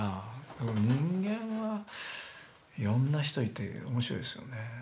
でも人間はいろんな人いて面白いですよね。